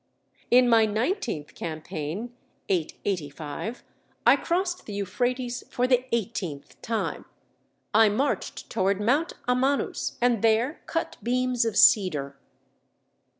"In my nineteenth campaign (885) I crossed the Euphrates for the eighteenth time. I marched toward Mount Amanus, and there cut beams of cedar.